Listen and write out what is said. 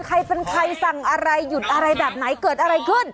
ใครเป็นใครสั่งอะไรหยุดอะไรแบบไหนเกิดอะไรขึ้น